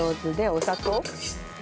お砂糖。